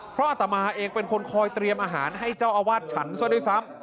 เพราะอัตมาเองเป็นคนคอยเตรียมอาหารให้เจ้าอาวาสฉันซะด้วยซ้ำ